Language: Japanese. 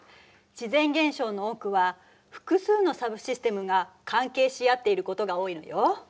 自然現象の多くは複数のサブシステムが関係し合っていることが多いのよ。